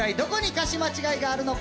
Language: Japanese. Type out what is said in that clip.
歌詞間違いがあるのか？